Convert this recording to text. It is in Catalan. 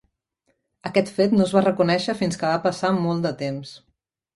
Aquest fet no es va reconèixer fins que va passar molt de temps.